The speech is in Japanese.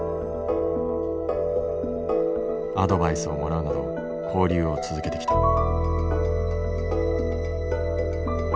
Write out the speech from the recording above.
アドバイスをもらうなど交流を続けてきた。